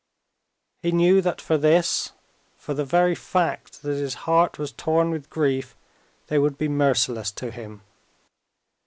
He knew that for this, for the very fact that his heart was torn with grief, they would be merciless to him.